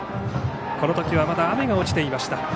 このときはまだ雨が落ちていました。